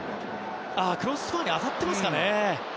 クロスバーに当たってますかね。